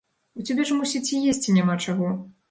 У цябе ж, мусіць, і есці няма чаго?